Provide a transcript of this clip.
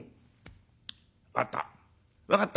分かった。